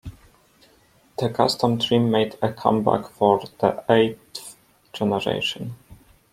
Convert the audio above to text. The Custom trim made a comeback for the eighth generation.